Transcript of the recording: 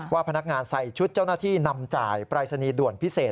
พนักงานใส่ชุดเจ้าหน้าที่นำจ่ายปรายศนีย์ด่วนพิเศษ